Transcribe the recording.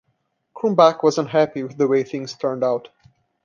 Krumbach was unhappy with the way things turned out.